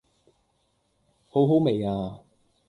好好味呀